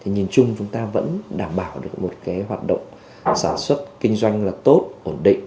nhìn chung chúng ta vẫn đảm bảo được một hoạt động sản xuất kinh doanh là tốt ổn định